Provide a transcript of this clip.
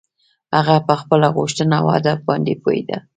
هغه په خپله غوښتنه او هدف باندې پوهېده.